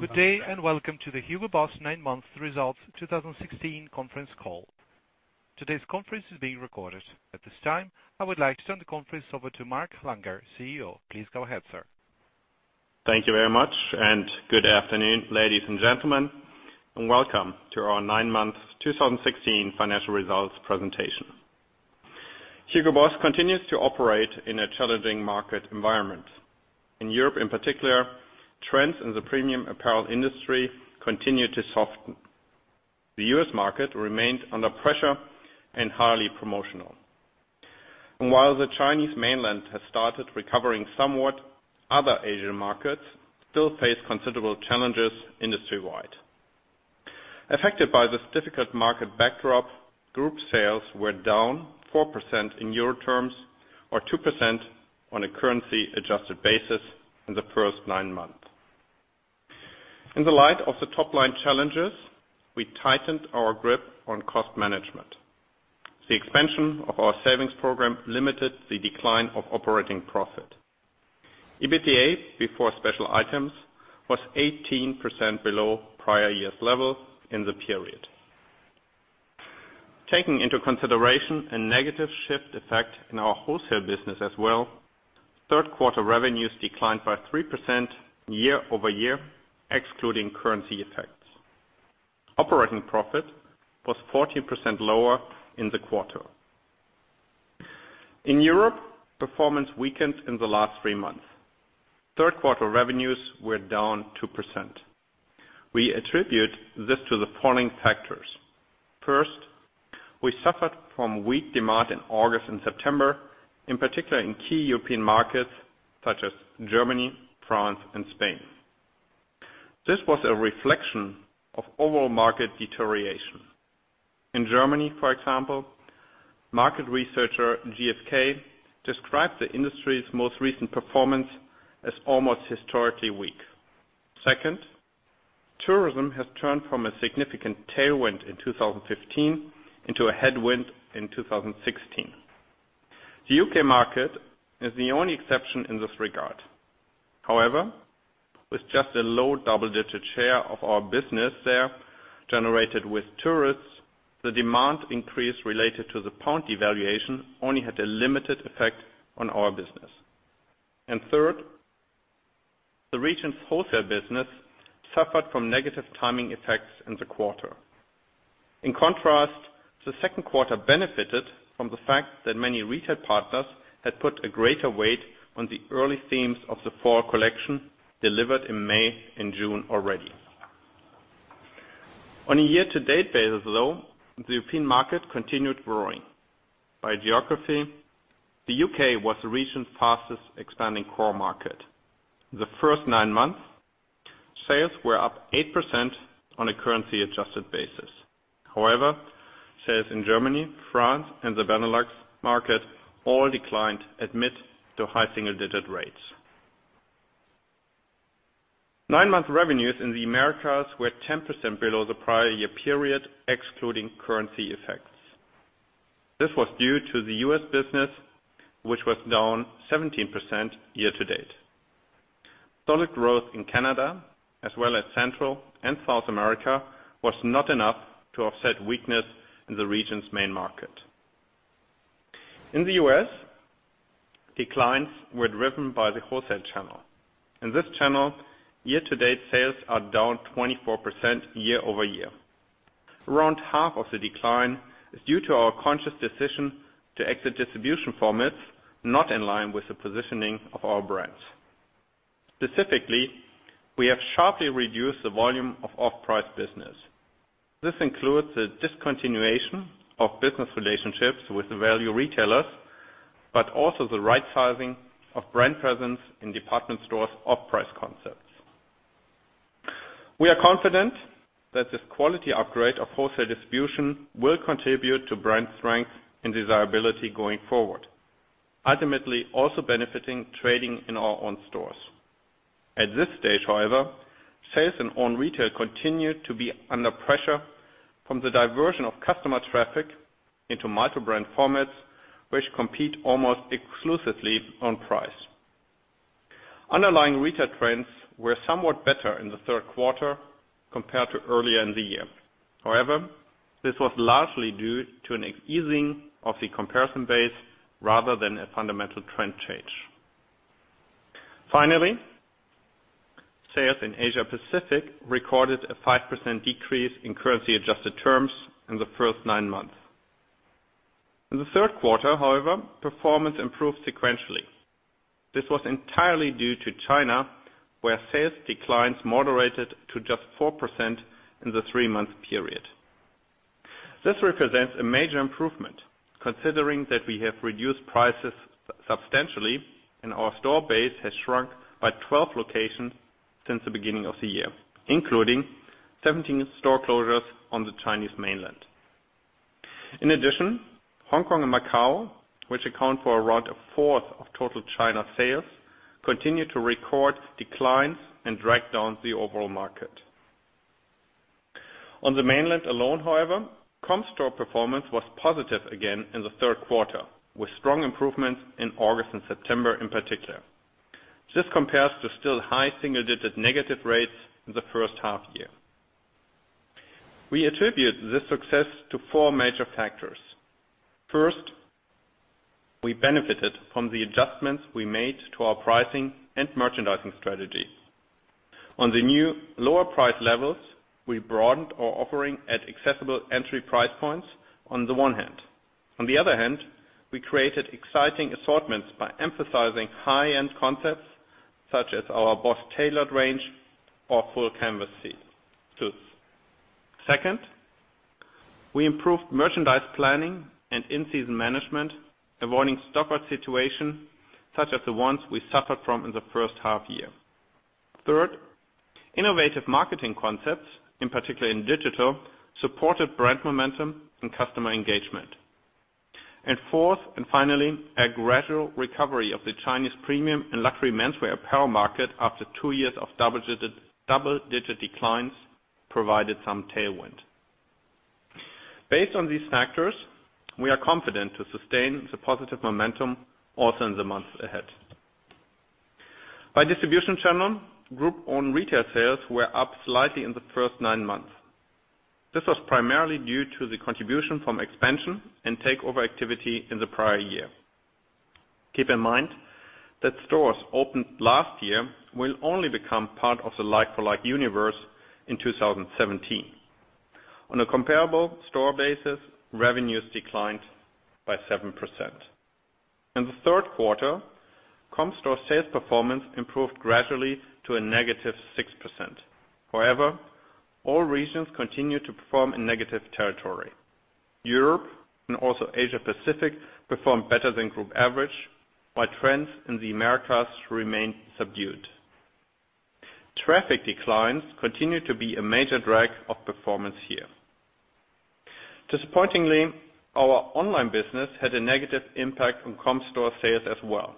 Good day, welcome to the Hugo Boss nine-month results 2016 conference call. Today's conference is being recorded. At this time, I would like to turn the conference over to Mark Langer, CEO. Please go ahead, sir. Thank you very much, good afternoon, ladies and gentlemen, and welcome to our nine-month 2016 financial results presentation. Hugo Boss continues to operate in a challenging market environment. In Europe, in particular, trends in the premium apparel industry continue to soften. The U.S. market remained under pressure and highly promotional. While the Chinese mainland has started recovering somewhat, other Asian markets still face considerable challenges industry-wide. Affected by this difficult market backdrop, group sales were down 4% in EUR terms or 2% on a currency-adjusted basis in the first nine months. In the light of the top-line challenges, we tightened our grip on cost management. The expansion of our savings program limited the decline of operating profit. EBITDA before special items was 18% below prior year's level in the period. Taking into consideration a negative shift effect in our wholesale business as well, third-quarter revenues declined by 3% year-over-year, excluding currency effects. Operating profit was 14% lower in the quarter. In Europe, performance weakened in the last three months. Third-quarter revenues were down 2%. We attribute this to the following factors. First, we suffered from weak demand in August and September, in particular in key European markets such as Germany, France, and Spain. This was a reflection of overall market deterioration. In Germany, for example, market researcher GfK described the industry's most recent performance as almost historically weak. Second, tourism has turned from a significant tailwind in 2015 into a headwind in 2016. The U.K. market is the only exception in this regard. However, with just a low double-digit share of our business there generated with tourists, the demand increase related to the GBP devaluation only had a limited effect on our business. Third, the region's wholesale business suffered from negative timing effects in the quarter. In contrast, the second quarter benefited from the fact that many retail partners had put a greater weight on the early themes of the fall collection delivered in May and June already. On a year-to-date basis, though, the European market continued growing. By geography, the U.K. was the region's fastest expanding core market. The first nine months, sales were up 8% on a currency-adjusted basis. However, sales in Germany, France, and the Benelux market all declined amid the high single-digit rates. Nine-month revenues in the Americas were 10% below the prior year period, excluding currency effects. This was due to the U.S. business, which was down 17% year-to-date. Solid growth in Canada as well as Central and South America was not enough to offset weakness in the region's main market. In the U.S., declines were driven by the wholesale channel. In this channel, year-to-date sales are down 24% year-over-year. Around half of the decline is due to our conscious decision to exit distribution formats not in line with the positioning of our brands. Specifically, we have sharply reduced the volume of off-price business. This includes the discontinuation of business relationships with the value retailers, but also the right-sizing of brand presence in department stores' off-price concepts. We are confident that this quality upgrade of wholesale distribution will contribute to brand strength and desirability going forward, ultimately also benefiting trading in our own stores. At this stage, however, sales and own retail continue to be under pressure from the diversion of customer traffic into multi-brand formats, which compete almost exclusively on price. Underlying retail trends were somewhat better in the third quarter compared to earlier in the year. However, this was largely due to an easing of the comparison base rather than a fundamental trend change. Sales in Asia Pacific recorded a 5% decrease in currency-adjusted terms in the first nine months. In the third quarter, however, performance improved sequentially. This was entirely due to China, where sales declines moderated to just 4% in the three-month period. This represents a major improvement considering that we have reduced prices substantially and our store base has shrunk by 12 locations since the beginning of the year, including 17 store closures on the Chinese mainland. Hong Kong and Macau, which account for around a fourth of total China sales, continue to record declines and drag down the overall market. On the mainland alone, however, comp store performance was positive again in the third quarter, with strong improvements in August and September in particular. This compares to still high single-digit negative rates in the first half-year. We attribute this success to four major factors. First, we benefited from the adjustments we made to our pricing and merchandising strategies. On the new lower price levels, we broadened our offering at accessible entry price points on the one hand. On the other hand, we created exciting assortments by emphasizing high-end concepts, such as our BOSS Tailored range or full canvas suits. Second, we improved merchandise planning and in-season management, avoiding stock-out situation such as the ones we suffered from in the first half-year. Third, innovative marketing concepts, in particular in digital, supported brand momentum and customer engagement. Fourth, and finally, a gradual recovery of the Chinese premium and luxury menswear apparel market after two years of double-digit declines provided some tailwind. Based on these factors, we are confident to sustain the positive momentum also in the months ahead. By distribution channel, group-owned retail sales were up slightly in the first nine months. This was primarily due to the contribution from expansion and takeover activity in the prior year. Keep in mind that stores opened last year will only become part of the like-for-like universe in 2017. On a comparable store basis, revenues declined by 7%. In the third quarter, comp store sales performance improved gradually to a negative 6%. However, all regions continued to perform in negative territory. Europe and also Asia Pacific performed better than group average, while trends in the Americas remained subdued. Traffic declines continued to be a major drag of performance here. Disappointingly, our online business had a negative impact on comp store sales as well.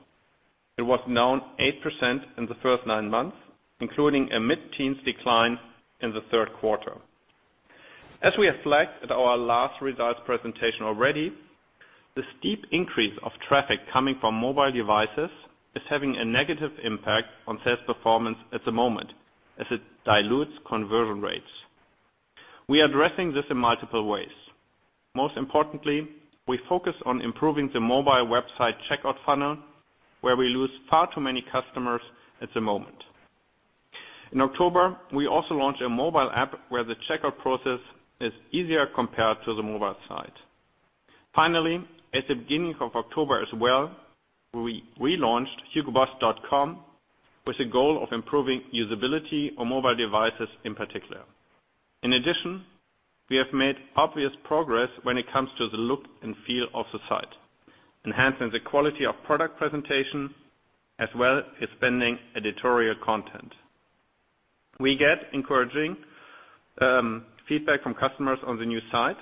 It was down 8% in the first nine months, including a mid-teens decline in the third quarter. As we have flagged at our last results presentation already, the steep increase of traffic coming from mobile devices is having a negative impact on sales performance at the moment as it dilutes conversion rates. We are addressing this in multiple ways. Most importantly, we focus on improving the mobile website checkout funnel, where we lose far too many customers at the moment. In October, we also launched a mobile app where the checkout process is easier compared to the mobile site. At the beginning of October as well, we relaunched hugoboss.com with the goal of improving usability on mobile devices in particular. In addition, we have made obvious progress when it comes to the look and feel of the site, enhancing the quality of product presentation, as well as expanding editorial content. We get encouraging feedback from customers on the new site,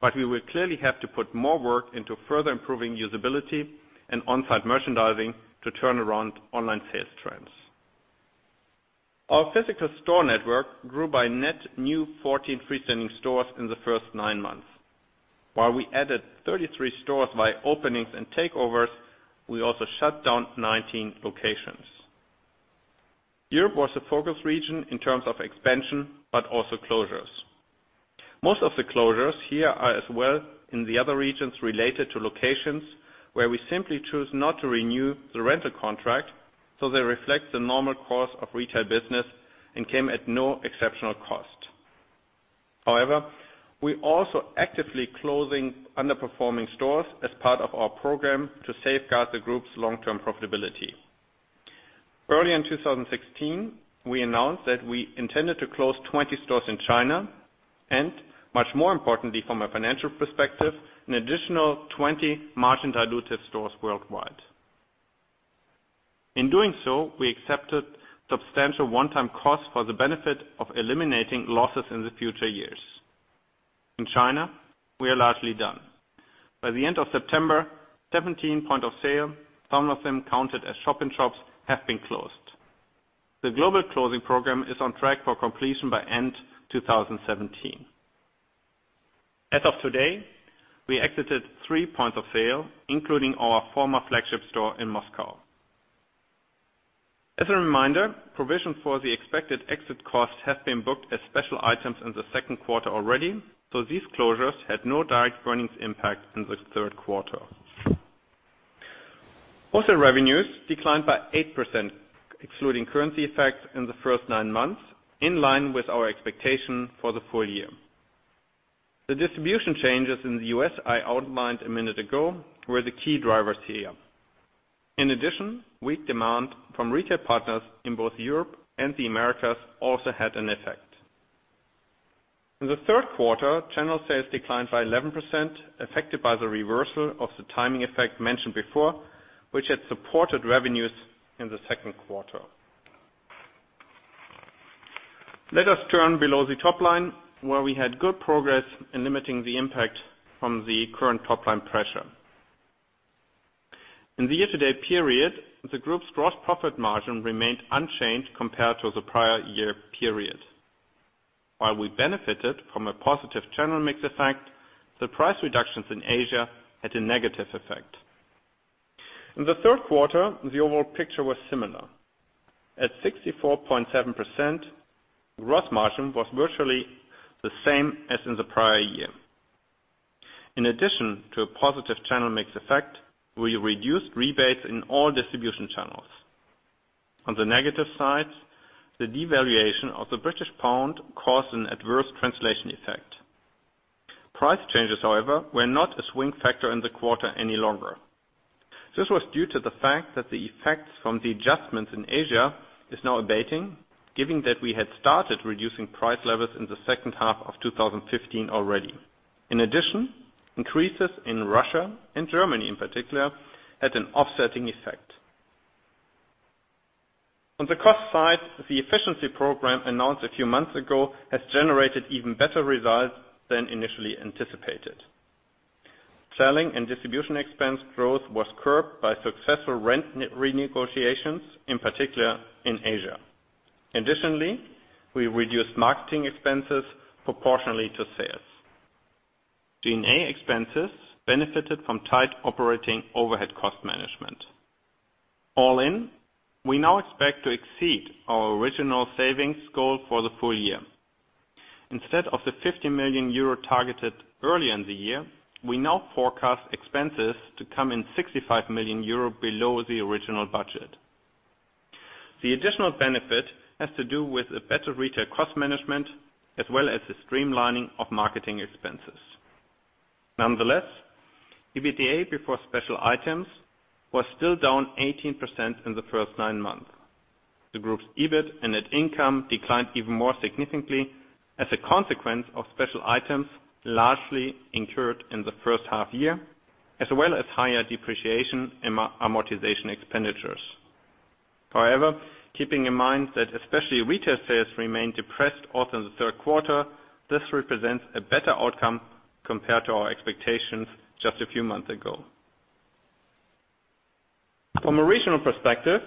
but we will clearly have to put more work into further improving usability and on-site merchandising to turn around online sales trends. Our physical store network grew by net new 14 freestanding stores in the first nine months. While we added 33 stores via openings and takeovers, we also shut down 19 locations. Europe was a focus region in terms of expansion, but also closures. Most of the closures here are as well in the other regions related to locations where we simply choose not to renew the rental contract. They reflect the normal course of retail business and came at no exceptional cost. However, we also actively closing underperforming stores as part of our program to safeguard the group's long-term profitability. Early in 2016, we announced that we intended to close 20 stores in China and, much more importantly from a financial perspective, an additional 20 margin-dilutive stores worldwide. In doing so, we accepted substantial one-time costs for the benefit of eliminating losses in the future years. In China, we are largely done. By the end of September, 17 point of sale, some of them counted as shop in shops, have been closed. The global closing program is on track for completion by end 2017. As of today, we exited three points of sale, including our former flagship store in Moscow. As a reminder, provision for the expected exit costs have been booked as special items in the second quarter already. These closures had no direct earnings impact in the third quarter. Wholesale revenues declined by 8%, excluding currency effects in the first nine months, in line with our expectation for the full year. The distribution changes in the U.S. I outlined a minute ago were the key drivers here. In addition, weak demand from retail partners in both Europe and the Americas also had an effect. In the third quarter, channel sales declined by 11%, affected by the reversal of the timing effect mentioned before, which had supported revenues in the second quarter. Let us turn below the top line, where we had good progress in limiting the impact from the current top-line pressure. In the year-to-date period, the group's gross profit margin remained unchanged compared to the prior year period. While we benefited from a positive channel mix effect, the price reductions in Asia had a negative effect. In the third quarter, the overall picture was similar. At 64.7%, gross margin was virtually the same as in the prior year. In addition to a positive channel mix effect, we reduced rebates in all distribution channels. On the negative side, the devaluation of the British pound caused an adverse translation effect. Price changes, however, were not a swing factor in the quarter any longer. This was due to the fact that the effects from the adjustments in Asia is now abating, given that we had started reducing price levels in the second half of 2015 already. In addition, increases in Russia and Germany in particular, had an offsetting effect. On the cost side, the efficiency program announced a few months ago has generated even better results than initially anticipated. Selling and distribution expense growth was curbed by successful rent renegotiations, in particular in Asia. Additionally, we reduced marketing expenses proportionally to sales. G&A expenses benefited from tight operating overhead cost management. All in, we now expect to exceed our original savings goal for the full year. Instead of the 50 million euro targeted earlier in the year, we now forecast expenses to come in 65 million euro below the original budget. The additional benefit has to do with a better retail cost management, as well as the streamlining of marketing expenses. Nonetheless, EBITDA before special items was still down 18% in the first nine months. The group's EBIT and net income declined even more significantly as a consequence of special items largely incurred in the first half year, as well as higher depreciation and amortization expenditures. However, keeping in mind that especially retail sales remained depressed also in the third quarter, this represents a better outcome compared to our expectations just a few months ago. From a regional perspective,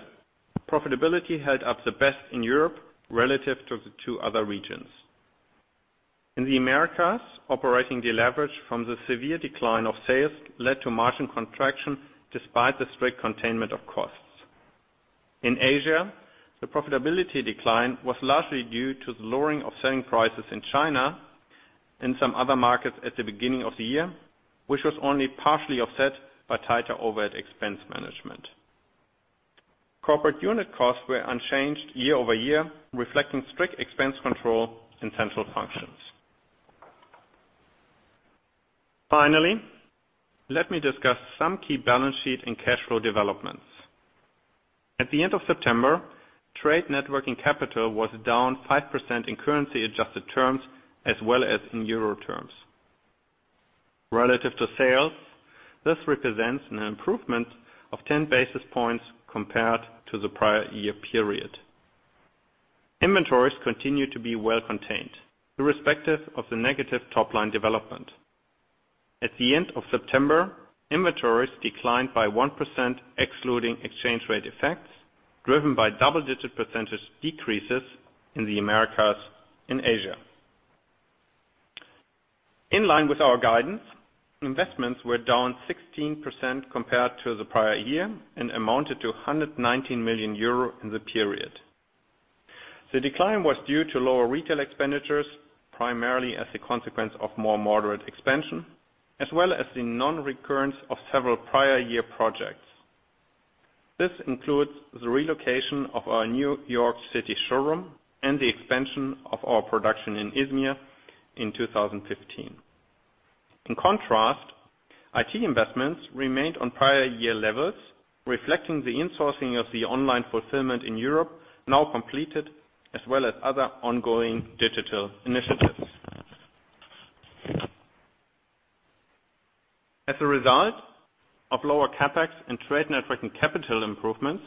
profitability held up the best in Europe relative to the two other regions. In the Americas, operating deleverage from the severe decline of sales led to margin contraction despite the strict containment of costs. In Asia, the profitability decline was largely due to the lowering of selling prices in China and some other markets at the beginning of the year, which was only partially offset by tighter overhead expense management. Corporate unit costs were unchanged year-over-year, reflecting strict expense control in central functions. Finally, let me discuss some key balance sheet and cash flow developments. At the end of September, trade net working capital was down 5% in currency-adjusted terms, as well as in EUR terms. Relative to sales, this represents an improvement of 10 basis points compared to the prior year period. Inventories continue to be well contained, irrespective of the negative top-line development. At the end of September, inventories declined by 1%, excluding exchange rate effects, driven by double-digit percentage decreases in the Americas and Asia. In line with our guidance, investments were down 16% compared to the prior year and amounted to 119 million euro in the period. The decline was due to lower retail expenditures, primarily as a consequence of more moderate expansion, as well as the non-recurrence of several prior year projects. This includes the relocation of our New York City showroom and the expansion of our production in Izmir in 2015. In contrast, IT investments remained on prior year levels, reflecting the insourcing of the online fulfillment in Europe, now completed, as well as other ongoing digital initiatives. As a result of lower CapEx and trade net working capital improvements,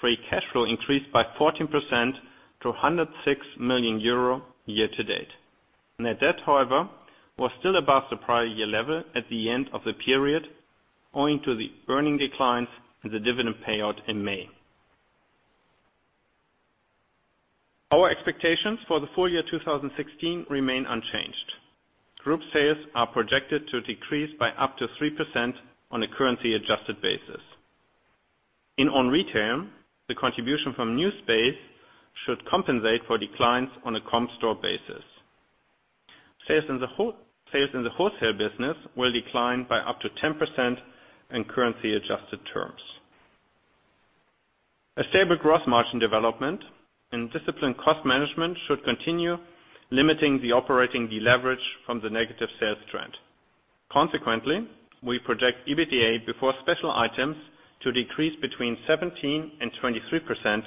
free cash flow increased by 14% to 106 million euro year to date. Net debt, however, was still above the prior year level at the end of the period, owing to the earnings declines and the dividend payout in May. Our expectations for the full year 2016 remain unchanged. Group sales are projected to decrease by up to 3% on a currency-adjusted basis. In own retail, the contribution from new space should compensate for declines on a comp store basis. Sales in the wholesale business will decline by up to 10% in currency-adjusted terms. A stable gross margin development and disciplined cost management should continue limiting the operating deleverage from the negative sales trend. Consequently, we project EBITDA before special items to decrease between 17% and 23%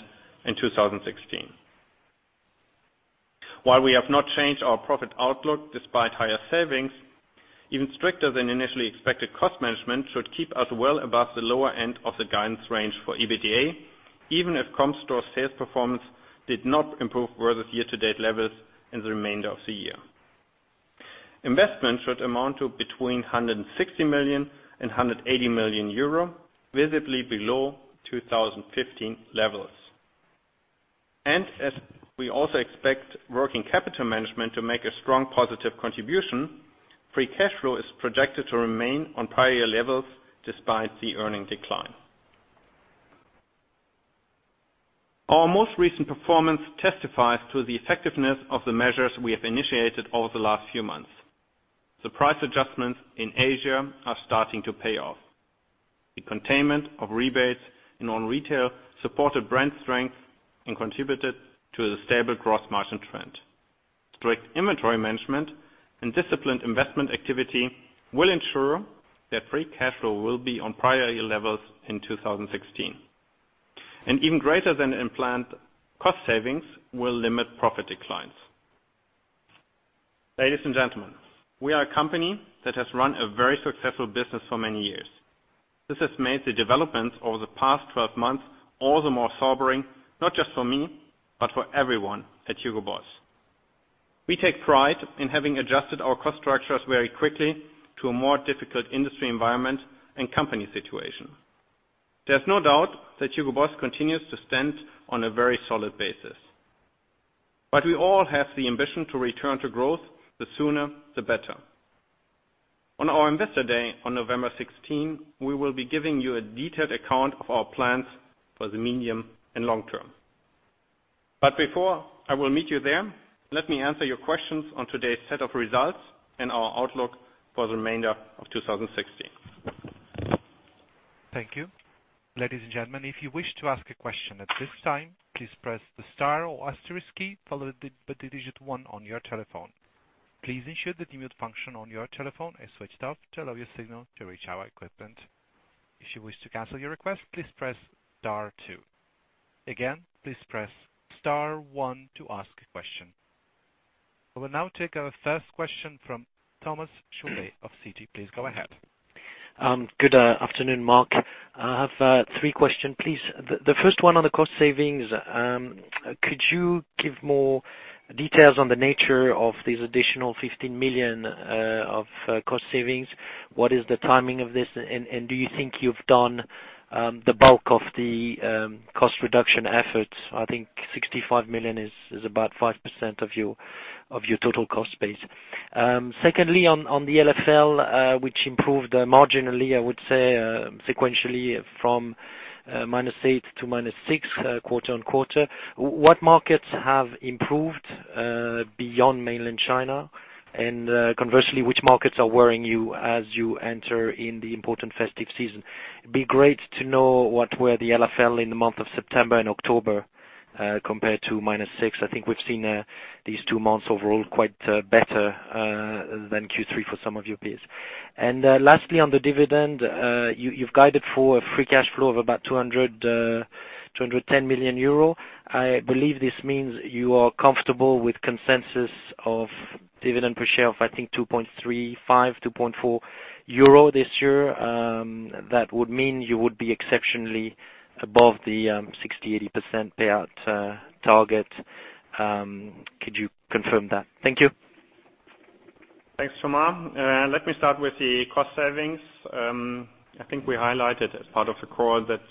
in 2016. While we have not changed our profit outlook despite higher savings, even stricter than initially expected cost management should keep us well above the lower end of the guidance range for EBITDA, even if comp store sales performance did not improve versus year-to-date levels in the remainder of the year. Investments should amount to between 160 million and 180 million euro, visibly below 2015 levels. As we also expect working capital management to make a strong positive contribution, free cash flow is projected to remain on prior year levels despite the earnings decline. Our most recent performance testifies to the effectiveness of the measures we have initiated over the last few months. The price adjustments in Asia are starting to pay off. The containment of rebates in non-retail supported brand strength and contributed to the stable gross margin trend. Strict inventory management and disciplined investment activity will ensure that free cash flow will be on prior year levels in 2016. Even greater than planned cost savings will limit profit declines. Ladies and gentlemen, we are a company that has run a very successful business for many years. This has made the developments over the past 12 months all the more sobering, not just for me, but for everyone at Hugo Boss. We take pride in having adjusted our cost structures very quickly to a more difficult industry environment and company situation. There is no doubt that Hugo Boss continues to stand on a very solid basis. We all have the ambition to return to growth, the sooner the better. On our Capital Markets Day on November 16, we will be giving you a detailed account of our plans for the medium and long term. Before I will meet you there, let me answer your questions on today's set of results and our outlook for the remainder of 2016. Thank you. Ladies and gentlemen, if you wish to ask a question at this time, please press the star or asterisk key, followed by the digit 1 on your telephone. Please ensure the mute function on your telephone is switched off to allow your signal to reach our equipment. If you wish to cancel your request, please press star 2. Again, please press star 1 to ask a question. We will now take our first question from Thomas Chauvet of Citi. Please go ahead. Good afternoon, Mark. I have three question, please. The first one on the cost savings. Could you give more details on the nature of these additional 15 million of cost savings? What is the timing of this, and do you think you've done the bulk of the cost reduction efforts? I think 65 million is about 5% of your total cost base. Secondly, on the LFL, which improved marginally, I would say sequentially from -8% to -6% quarter-on-quarter. What markets have improved beyond mainland China? Conversely, which markets are worrying you as you enter in the important festive season? It'd be great to know what were the LFL in the month of September and October, compared to -6%. I think we've seen these two months overall quite better than Q3 for some of your peers. Lastly, on the dividend. You've guided for a free cash flow of about 210 million euro. I believe this means you are comfortable with consensus of dividend per share of, I think, 2.35, 2.4 euro this year. That would mean you would be exceptionally above the 60%-80% payout target. Could you confirm that? Thank you. Thanks, Thomas. Let me start with the cost savings. I think we highlighted as part of the call that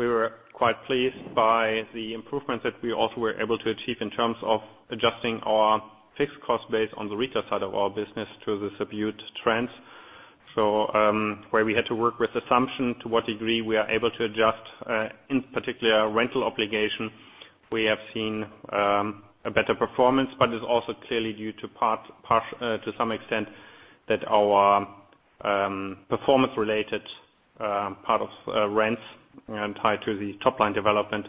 we were quite pleased by the improvements that we also were able to achieve in terms of adjusting our fixed cost base on the retail side of our business to the subdued trends. Where we had to work with assumption to what degree we are able to adjust, in particular, rental obligation. We have seen a better performance, but it's also clearly due to some extent that our performance-related part of rents and tied to the top line development,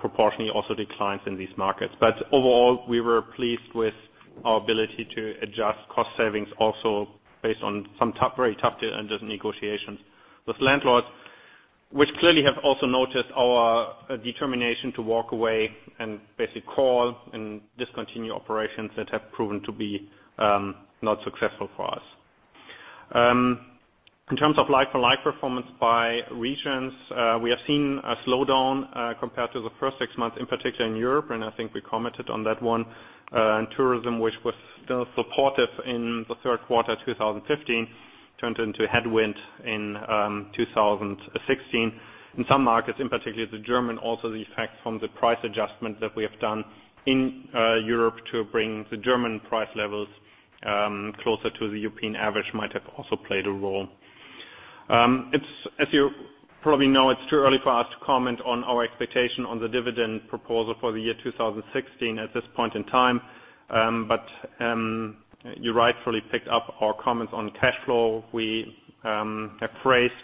proportionally also declines in these markets. Overall, we were pleased with our ability to adjust cost savings also based on some very tough negotiations with landlords, which clearly have also noticed our determination to walk away and basically call and discontinue operations that have proven to be not successful for us. In terms of like-for-like performance by regions, we have seen a slowdown, compared to the first six months, in particular in Europe, and I think we commented on that one. Tourism, which was still supportive in the third quarter 2015, turned into a headwind in 2016. In some markets, in particular the German, also the effect from the price adjustment that we have done in Europe to bring the German price levels closer to the European average might have also played a role. As you probably know, it's too early for us to comment on our expectation on the dividend proposal for the year 2016 at this point in time. You rightfully picked up our comments on cash flow. We have phrased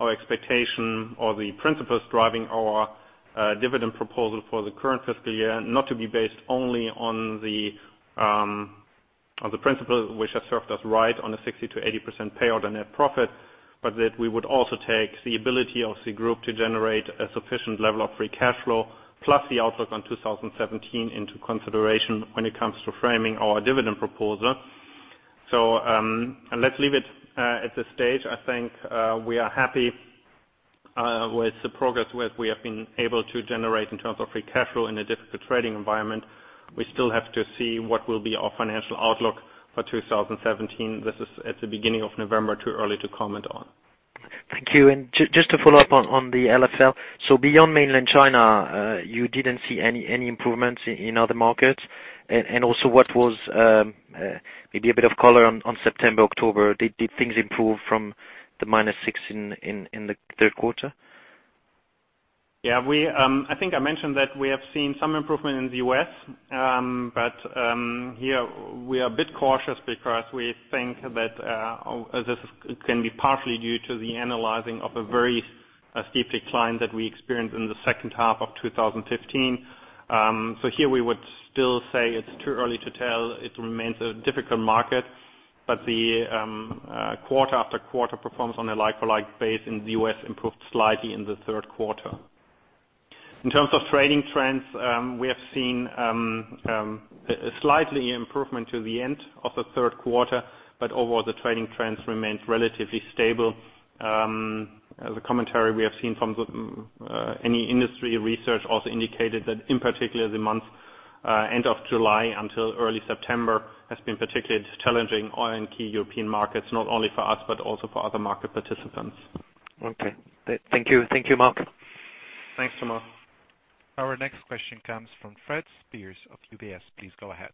our expectation or the principles driving our dividend proposal for the current fiscal year, not to be based only on the principles which have served us right on a 60%-80% payout on net profit, but that we would also take the ability of the group to generate a sufficient level of free cash flow, plus the outlook on 2017 into consideration when it comes to framing our dividend proposal. Let's leave it at this stage. I think we are happy with the progress we have been able to generate in terms of free cash flow in a difficult trading environment, we still have to see what will be our financial outlook for 2017. This is at the beginning of November, too early to comment on. Thank you. Just to follow up on the LFL. Beyond Mainland China, you didn't see any improvements in other markets? Also what was, maybe a bit of color on September, October. Did things improve from the -6 in the third quarter? Yeah. I think I mentioned that we have seen some improvement in the U.S., but here we are a bit cautious because we think that this can be partially due to the annualizing of a very steep decline that we experienced in the second half of 2015. Here we would still say it's too early to tell. It remains a difficult market, but the quarter after quarter performance on a like-for-like base in the U.S. improved slightly in the third quarter. In terms of trading trends, we have seen a slight improvement to the end of the third quarter, but overall the trading trends remained relatively stable. The commentary we have seen from any industry research also indicated that in particular the month end of July until early September has been particularly challenging in key European markets, not only for us but also for other market participants. Okay. Thank you, Mark. Thanks, Thomas. Our next question comes from Fred Speirs of UBS. Please go ahead.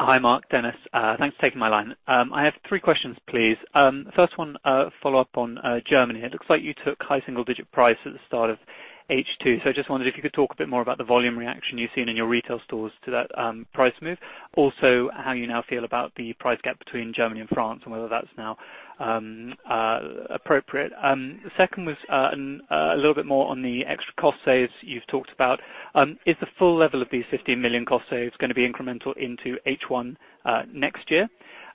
Hi, Mark, Dennis. Thanks for taking my line. I have three questions, please. First one, a follow-up on Germany. It looks like you took high single digit price at the start of H2. I just wondered if you could talk a bit more about the volume reaction you've seen in your retail stores to that price move. Also, how you now feel about the price gap between Germany and France and whether that's now appropriate. The second was a little bit more on the extra cost saves you've talked about. Is the full level of these 15 million cost saves going to be incremental into H1 next year?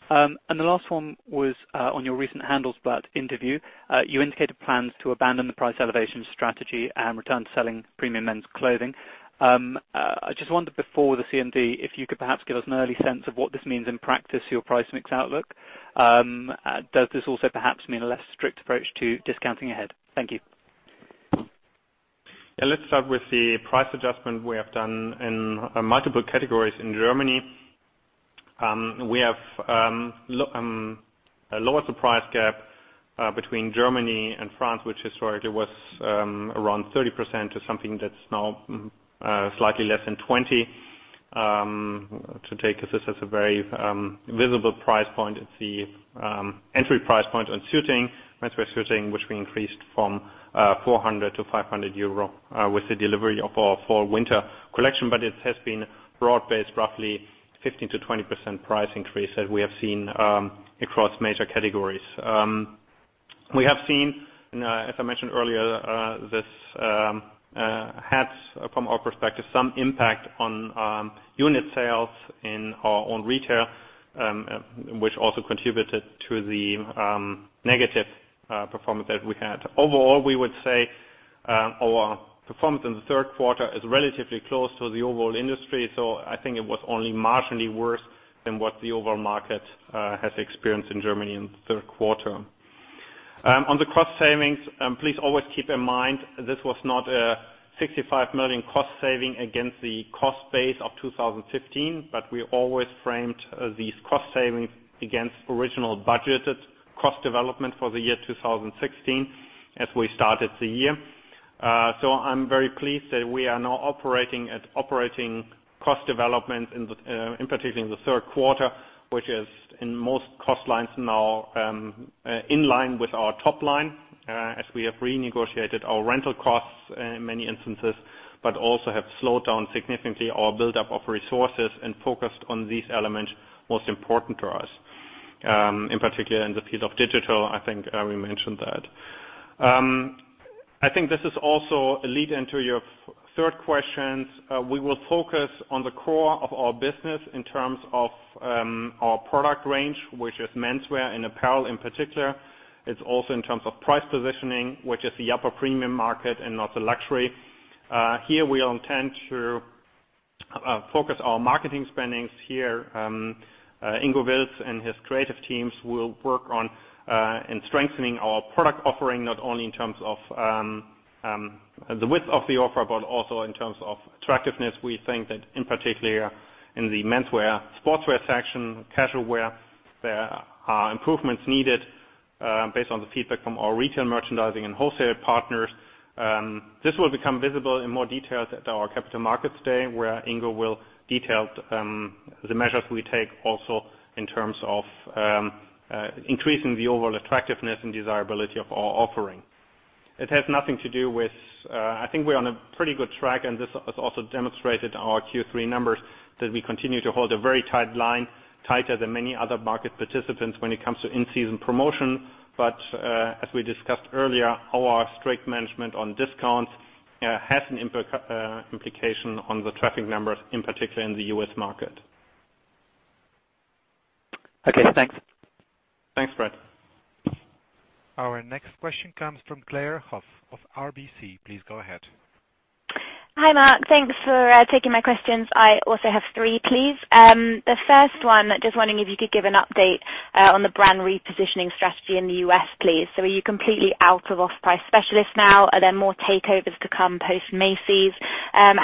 The last one was on your recent Handelsblatt interview. You indicated plans to abandon the price elevation strategy and return to selling premium men's clothing. I just wondered before the CMD, if you could perhaps give us an early sense of what this means in practice to your price mix outlook. Does this also perhaps mean a less strict approach to discounting ahead? Thank you. Let's start with the price adjustment we have done in multiple categories in Germany. We have lowered the price gap between Germany and France, which historically was around 30%, to something that's now slightly less than 20%. To take this as a very visible price point, it's the entry price point on suiting, menswear suiting, which we increased from 400 to 500 euro with the delivery of our fall winter collection. It has been broad-based, roughly 15%-20% price increase that we have seen across major categories. We have seen, and as I mentioned earlier, this had, from our perspective, some impact on unit sales in our own retail, which also contributed to the negative performance that we had. Overall, we would say our performance in the third quarter is relatively close to the overall industry, I think it was only marginally worse than what the overall market has experienced in Germany in the third quarter. On the cost savings, please always keep in mind this was not a 65 million cost saving against the cost base of 2015, we always framed these cost savings against original budgeted cost development for the year 2016 as we started the year. I'm very pleased that we are now operating at operating cost development in participating in the third quarter, which is in most cost lines now in line with our top line as we have renegotiated our rental costs in many instances, also have slowed down significantly our buildup of resources and focused on these elements most important to us. In particular in the piece of digital, I think we mentioned that. I think this is also a lead into your third question. We will focus on the core of our business in terms of our product range, which is menswear and apparel in particular. It's also in terms of price positioning, which is the upper premium market and not the luxury. We intend to focus our marketing spending here. Ingo Wilts and his creative teams will work on strengthening our product offering, not only in terms of the width of the offer, but also in terms of attractiveness. We think that in particular in the menswear, sportswear section, casual wear, there are improvements needed based on the feedback from our retail merchandising and wholesale partners. This will become visible in more detail at our Capital Markets Day, where Ingo will detail the measures we take also in terms of increasing the overall attractiveness and desirability of our offering. I think we're on a pretty good track, and this is also demonstrated in our Q3 numbers, that we continue to hold a very tight line, tighter than many other market participants when it comes to in-season promotion. As we discussed earlier, our strict management on discounts has an implication on the traffic numbers, in particular in the U.S. market. Okay, thanks. Thanks, Fred. Our next question comes from Claire Huff of RBC. Please go ahead. Hi, Mark. Thanks for taking my questions. I also have three, please. The first one, just wondering if you could give an update on the brand repositioning strategy in the U.S., please. Are you completely out of off-price specialists now?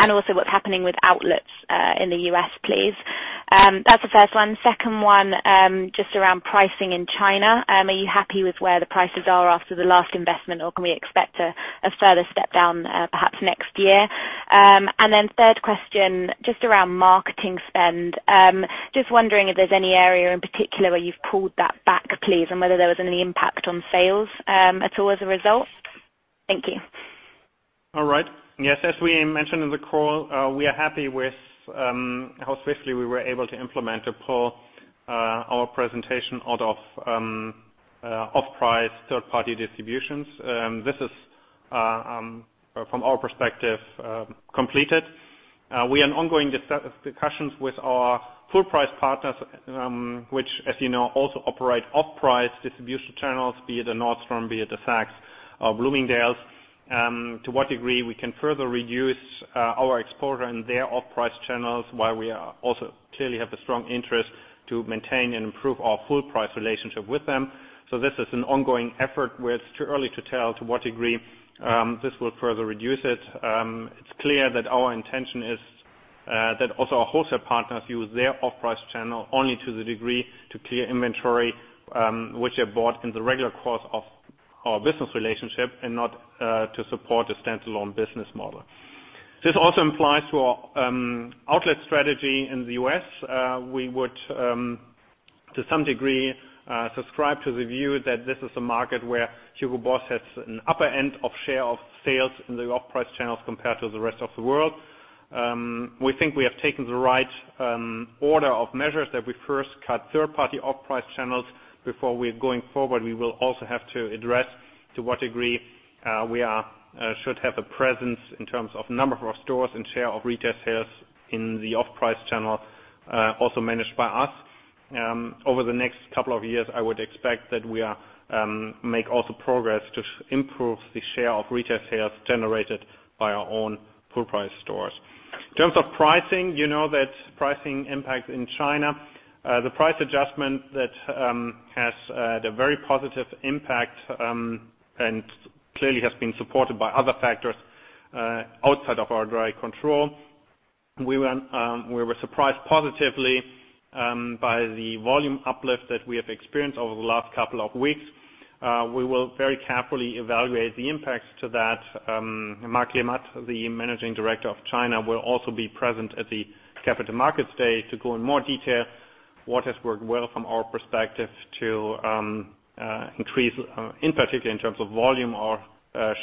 Also, what's happening with outlets in the U.S., please? That's the first one. Second one, just around pricing in China. Are you happy with where the prices are after the last investment, or can we expect a further step down perhaps next year? Third question, just around marketing spend. Just wondering if there's any area in particular where you've pulled that back, please, and whether there was any impact on sales at all as a result. Thank you. All right. Yes, as we mentioned in the call, we are happy with how swiftly we were able to implement to pull our presentation out of off-price third-party distributions. This is, from our perspective, completed. We are in ongoing discussions with our full-price partners which, as you know, also operate off-price distribution channels, be it a Nordstrom, be it a Saks, Bloomingdale's, to what degree we can further reduce our exposure in their off-price channels while we also clearly have a strong interest to maintain and improve our full-price relationship with them. This is an ongoing effort where it's too early to tell to what degree this will further reduce it. It's clear that our intention is that also our wholesale partners use their off-price channel only to the degree to clear inventory which are bought in the regular course of our business relationship and not to support a standalone business model. This also implies to our outlet strategy in the U.S. We would, to some degree, subscribe to the view that this is a market where Hugo Boss has an upper end of share of sales in the off-price channels compared to the rest of the world. We think we have taken the right order of measures that we first cut third-party off-price channels before we're going forward. We will also have to address to what degree we should have a presence in terms of number of our stores and share of retail sales in the off-price channel also managed by us. Over the next couple of years, I would expect that we make also progress to improve the share of retail sales generated by our own full-price stores. In terms of pricing, you know that pricing impact in China. The price adjustment that has the very positive impact and clearly has been supported by other factors outside of our direct control. We were surprised positively by the volume uplift that we have experienced over the last couple of weeks. We will very carefully evaluate the impacts to that. Marc Le Mat, the Managing Director of China, will also be present at the Capital Markets Day to go in more detail what has worked well from our perspective to increase, in particular, in terms of volume or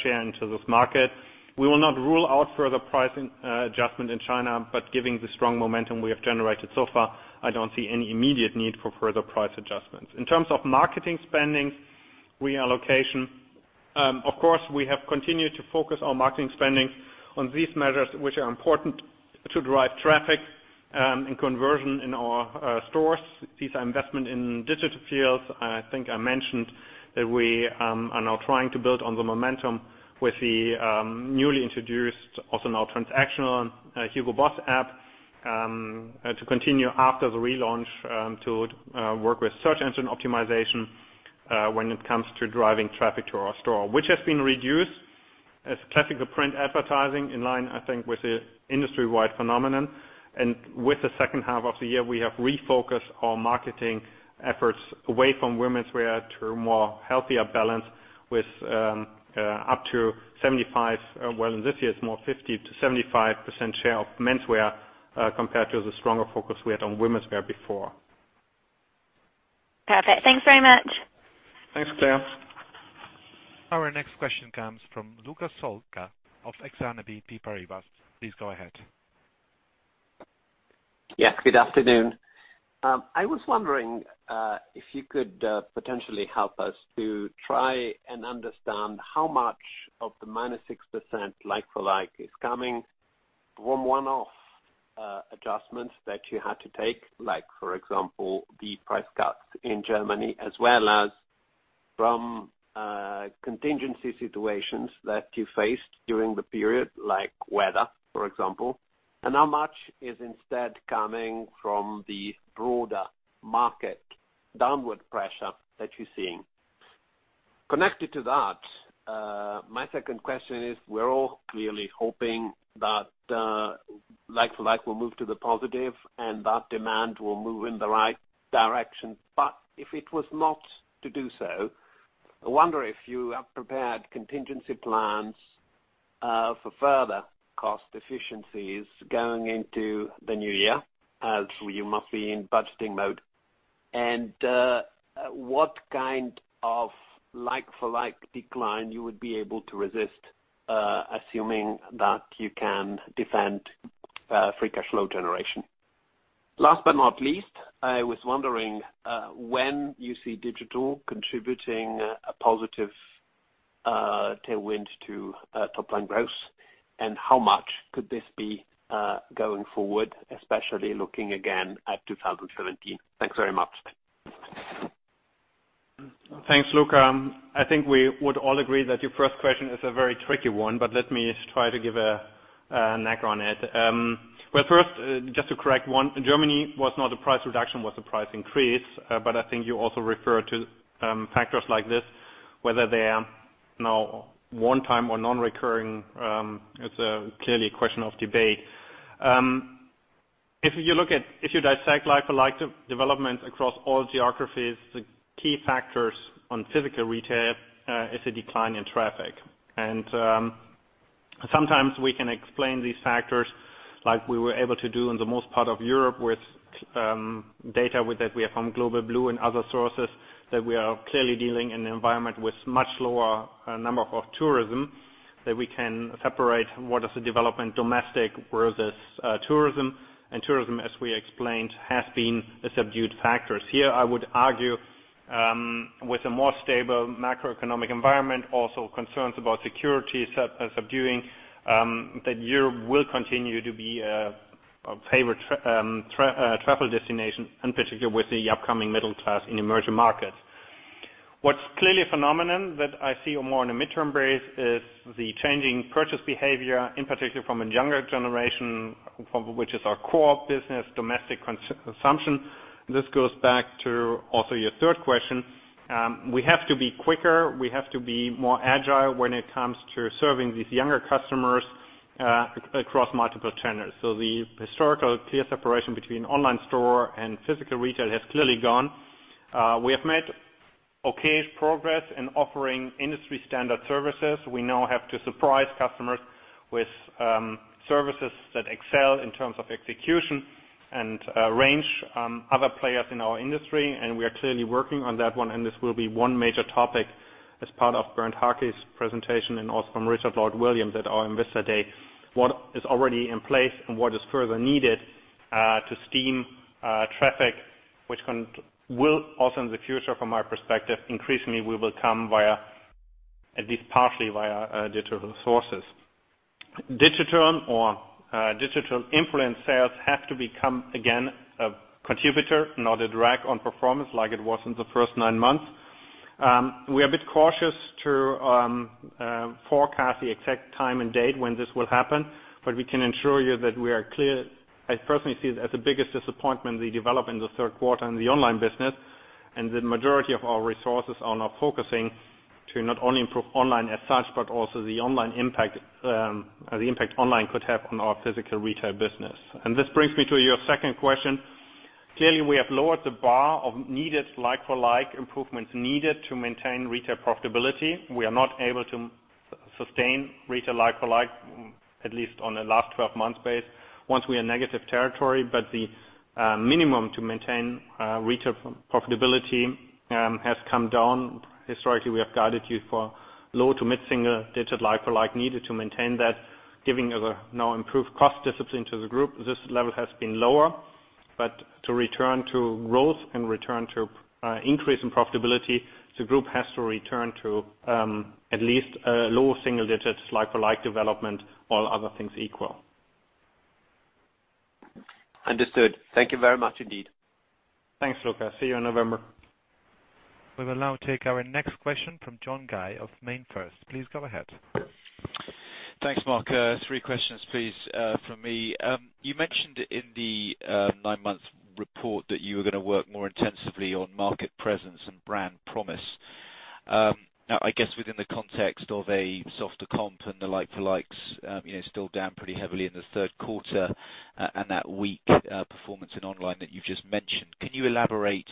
share into this market. We will not rule out further pricing adjustment in China, giving the strong momentum we have generated so far, I don't see any immediate need for further price adjustments. In terms of marketing spending reallocation, of course, we have continued to focus our marketing spending on these measures, which are important to drive traffic and conversion in our stores. These are investment in digital fields. I think I mentioned that we are now trying to build on the momentum with the newly introduced, also now transactional Hugo Boss app to continue after the relaunch to work with search engine optimization when it comes to driving traffic to our store. Which has been reduced as classical print advertising in line, I think, with the industry-wide phenomenon. With the second half of the year, we have refocused our marketing efforts away from womenswear to a more healthier balance with 50%-75% share of menswear compared to the stronger focus we had on womenswear before. Perfect. Thanks very much. Thanks, Claire. Our next question comes from Luca Solca of Exane BNP Paribas. Please go ahead. Yes, good afternoon. I was wondering if you could potentially help us to try and understand how much of the minus 6% like-for-like is coming from one-off adjustments that you had to take. For example, the price cuts in Germany as well as from contingency situations that you faced during the period, like weather, for example, and how much is instead coming from the broader market downward pressure that you're seeing. Connected to that, my second question is, we're all clearly hoping that like-for-like will move to the positive and that demand will move in the right direction. If it was not to do so, I wonder if you have prepared contingency plans for further cost efficiencies going into the new year, as you must be in budgeting mode. What kind of like-for-like decline you would be able to resist assuming that you can defend free cash flow generation. Last but not least, I was wondering when you see digital contributing a positive tailwind to top-line growth, and how much could this be going forward, especially looking again at 2017. Thanks very much. Thanks, Luca. I think we would all agree that your first question is a very tricky one, but let me try to take a crack at it. Well, first, just to correct one, Germany was not a price reduction, it was a price increase. I think you also refer to factors like this, whether they are now one-time or non-recurring, it's clearly a question of debate. If you dissect like-for-like development across all geographies, the key factors on physical retail is a decline in traffic. Sometimes we can explain these factors like we were able to do in the most part of Europe with data that we have from Global Blue and other sources, that we are clearly dealing in an environment with much lower number of tourism, that we can separate what is the development domestic versus tourism. Tourism, as we explained, has been a subdued factor. Here, I would argue, with a more stable macroeconomic environment, also concerns about security subduing, that Europe will continue to be a favorite travel destination, in particular with the upcoming middle class in emerging markets. What's clearly a phenomenon that I see more in a midterm base is the changing purchase behavior, in particular from a younger generation, which is our core business, domestic consumption. This goes back to also your third question. We have to be quicker. We have to be more agile when it comes to serving these younger customers across multiple channels. The historical clear separation between online store and physical retail has clearly gone. We have made okay progress in offering industry-standard services. We now have to surprise customers with services that excel in terms of execution and range other players in our industry. We are clearly working on that one. This will be one major topic as part of Bernd Hake's presentation and also from Richard Lord Williams at our Investor Day. What is already in place and what is further needed to stimulate traffic, which will also in the future, from our perspective, increasingly will come at least partially via digital sources. Digital or digital influence sales have to become again a contributor, not a drag on performance like it was in the first nine months. We are a bit cautious to forecast the exact time and date when this will happen. We can ensure you that we are clear. I personally see it as the biggest disappointment, the development in the third quarter in the online business and the majority of our resources are now focusing to not only improve online as such, but also the impact online could have on our physical retail business. This brings me to your second question. Clearly, we have lowered the bar of needed like-for-like improvements needed to maintain retail profitability. We are not able to sustain retail like-for-like, at least on the last 12-month base, once we are negative territory. The minimum to maintain retail profitability has come down. Historically, we have guided you for low to mid-single-digit like-for-like needed to maintain that. Giving now improved cost discipline to the group, this level has been lower. To return to growth and return to increase in profitability, the group has to return to at least a low single-digits like-for-like development, all other things equal. Understood. Thank you very much indeed. Thanks, Luca. See you in November. We will now take our next question from John Guy of MainFirst. Please go ahead. Thanks, Mark. Three questions please from me. You mentioned in the nine-month report that you were going to work more intensively on market presence and brand promise. I guess within the context of a softer comp store and the like-for-like still down pretty heavily in the third quarter and that weak performance in online that you've just mentioned, can you elaborate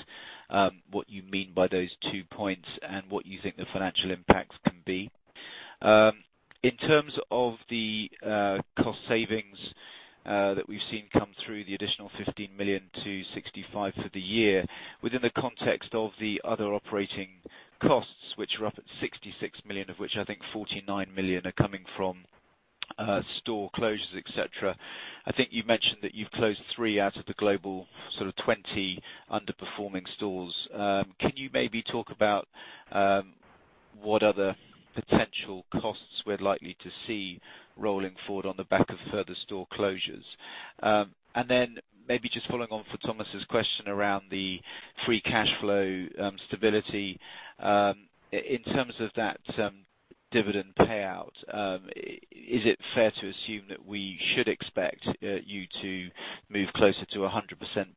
what you mean by those two points and what you think the financial impacts can be? In terms of the cost savings that we've seen come through the additional 15 million to 65 million for the year, within the context of the other operating costs, which are up at 66 million, of which I think 49 million are coming from store closures, et cetera. I think you mentioned that you've closed three out of the global 20 underperforming stores. Can you maybe talk about what other potential costs we're likely to see rolling forward on the back of further store closures? Maybe just following on for Thomas's question around the free cash flow stability. In terms of that dividend payout, is it fair to assume that we should expect you to move closer to 100%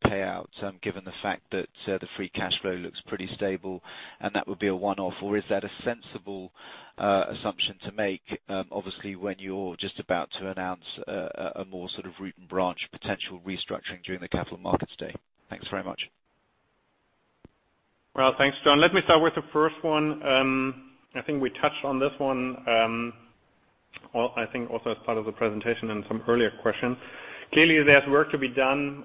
payout, given the fact that the free cash flow looks pretty stable and that would be a one-off? Is that a sensible assumption to make, obviously, when you're just about to announce a more root and branch potential restructuring during the Capital Markets Day? Thanks very much. Thanks, John. Let me start with the first one. I think we touched on this one, also as part of the presentation and some earlier questions. Clearly, there's work to be done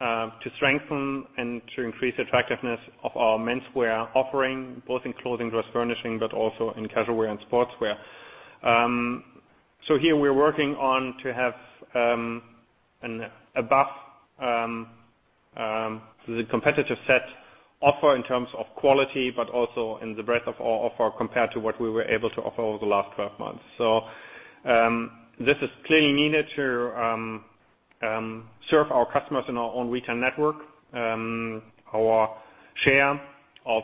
to strengthen and to increase attractiveness of our menswear offering, both in clothing, dress furnishing, but also in casual wear and sportswear. Here we're working on to have above the competitive set offer in terms of quality, but also in the breadth of our offer compared to what we were able to offer over the last 12 months. This is clearly needed to serve our customers in our own retail network. Our share of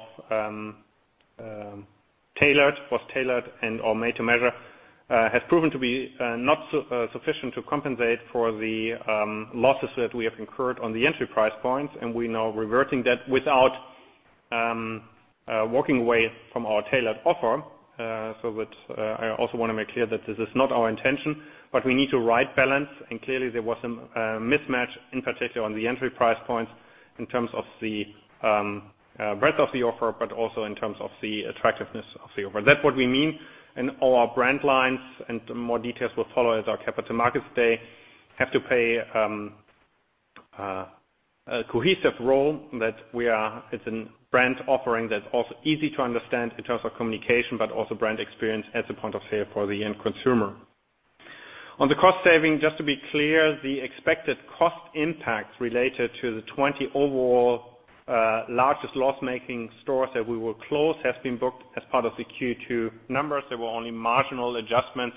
BOSS Tailored and/or made to measure has proven to be not sufficient to compensate for the losses that we have incurred on the entry price points, and we're now reverting that without walking away from our tailored offer. I also want to make clear that this is not our intention, but we need to right balance. Clearly there was a mismatch in particular on the entry price points in terms of the breadth of the offer, but also in terms of the attractiveness of the offer. That's what we mean in all our brand lines, and more details will follow at our Capital Markets Day, have to play a cohesive role that we are. It's a brand offering that's also easy to understand in terms of communication, but also brand experience as a point of sale for the end consumer. On the cost saving, just to be clear, the expected cost impacts related to the 20 overall largest loss-making stores that we will close has been booked as part of the Q2 numbers. There were only marginal adjustments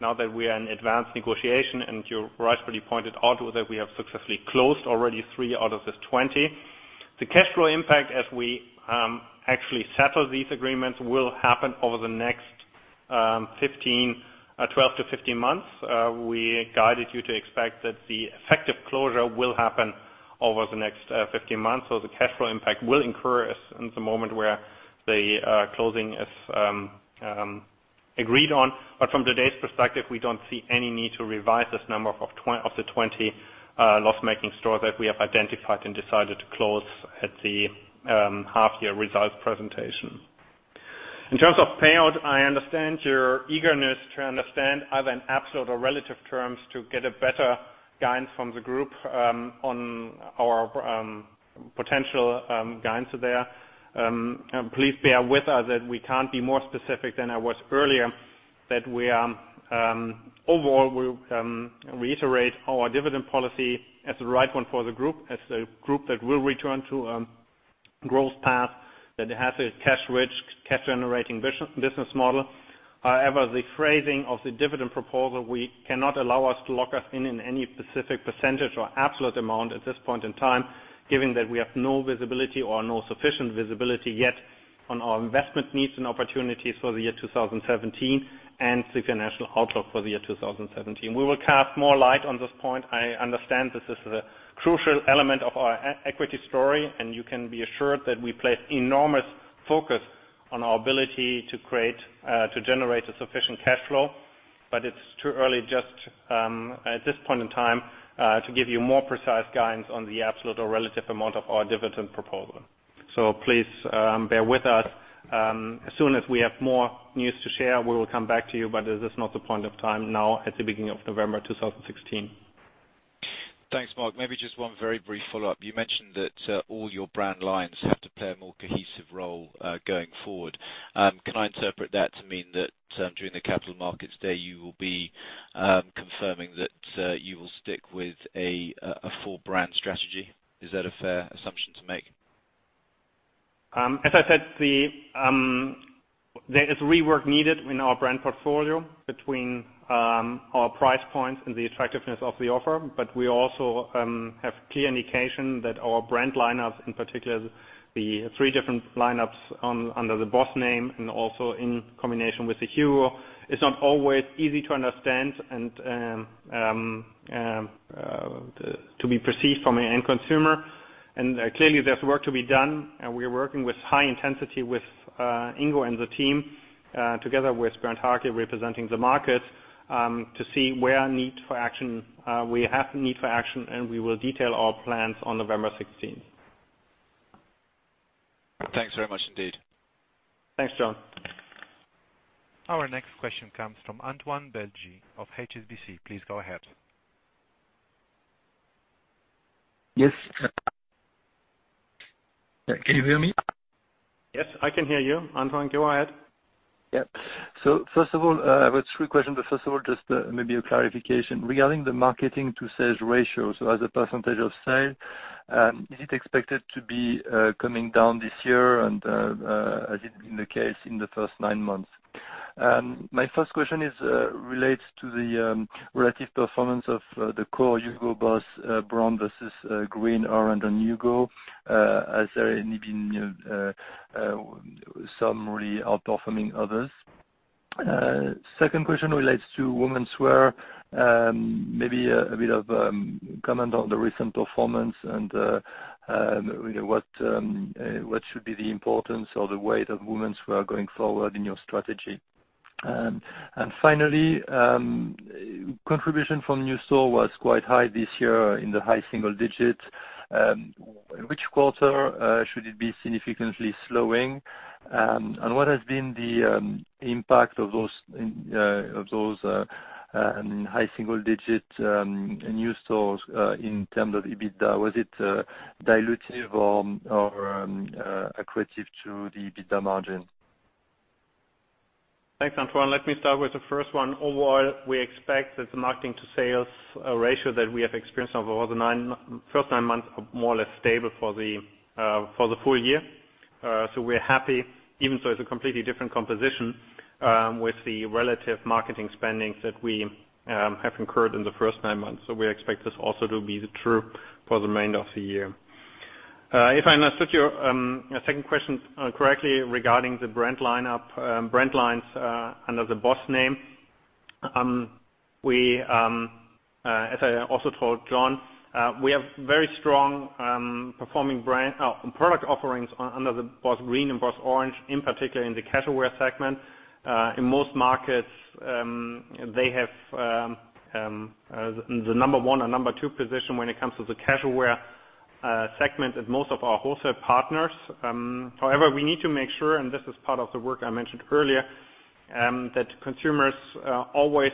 now that we are in advanced negotiation. You rightfully pointed out that we have successfully closed already three out of these 20. The cash flow impact as we actually settle these agreements will happen over the next 12 to 15 months. We guided you to expect that the effective closure will happen over the next 15 months. The cash flow impact will incur at the moment where the closing is agreed on. From today's perspective, we don't see any need to revise this number of the 20 loss-making stores that we have identified and decided to close at the half-year results presentation. In terms of payout, I understand your eagerness to understand, either in absolute or relative terms, to get a better guidance from the group on our potential gains there. Please bear with us that we can't be more specific than I was earlier, that overall, we reiterate our dividend policy as the right one for the group, as the group that will return to a growth path that has a cash-rich, cash-generating business model. However, the phrasing of the dividend proposal, we cannot allow us to lock us in in any specific percentage or absolute amount at this point in time, given that we have no visibility or no sufficient visibility yet on our investment needs and opportunities for the year 2017 and the financial outlook for the year 2017. We will cast more light on this point. I understand this is a crucial element of our equity story, and you can be assured that we place enormous focus on our ability to generate a sufficient cash flow. It's too early just at this point in time to give you more precise guidance on the absolute or relative amount of our dividend proposal. Please bear with us. As soon as we have more news to share, we will come back to you. This is not the point of time now at the beginning of November 2016. Thanks, Mark. Maybe just one very brief follow-up. You mentioned that all your brand lines have to play a more cohesive role going forward. Can I interpret that to mean that during the Capital Markets Day, you will be confirming that you will stick with a full brand strategy? Is that a fair assumption to make? As I said, there is rework needed in our brand portfolio between our price points and the attractiveness of the offer. We also have clear indication that our brand lineup, in particular the three different lineups under the BOSS name and also in combination with the HUGO, is not always easy to understand and to be perceived from an end consumer. Clearly, there's work to be done, and we are working with high intensity with Ingo and the team, together with Bernd Hake, representing the market, to see where we have the need for action, and we will detail our plans on November 16th. Thanks very much indeed. Thanks, John. Our next question comes from Antoine Belge of HSBC. Please go ahead. Yes. Can you hear me? Yes, I can hear you, Antoine. Go ahead. First of all, I have three questions. First of all, just maybe a clarification. Regarding the marketing to sales ratio, as a percentage of sales, is it expected to be coming down this year as has been the case in the first nine months? My first question relates to the relative performance of the core BOSS brand versus BOSS Green or under HUGO. Has there been some really outperforming others? Second question relates to Womenswear. Maybe a bit of comment on the recent performance and what should be the importance or the weight of Womenswear going forward in your strategy. Finally, contribution from new store was quite high this year in the high single digits. In which quarter should it be significantly slowing? What has been the impact of those high single-digit new stores in terms of EBITDA? Was it dilutive or accretive to the EBITDA margin? Thanks, Antoine. Overall, we expect that the marketing to sales ratio that we have experienced over the first nine months are more or less stable for the full year. We're happy, even though it's a completely different composition with the relative marketing spendings that we have incurred in the first nine months. We expect this also to be true for the remainder of the year. If I understood your second question correctly, regarding the brand lines under the BOSS name. As I also told John, we have very strong performing product offerings under the BOSS Green and BOSS Orange, in particular in the casual wear segment. In most markets, they have the number 1 or number 2 position when it comes to the casual wear segment at most of our wholesale partners. We need to make sure, and this is part of the work I mentioned earlier, that consumers always